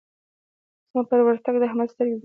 زما پر ورتګ د احمد سترګې درنې شوې.